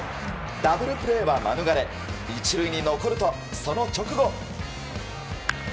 ダブルプレーは免れ１塁に残ると、その直後。